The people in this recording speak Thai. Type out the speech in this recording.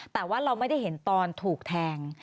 แต่ว่าเราไม่ได้เห็นตอนถูกแทง